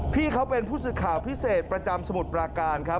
พี่เขาเป็นผู้สื่อข่าวพิเศษประจำสมุทรปราการครับ